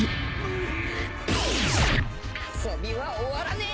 遊びは終わらねえ！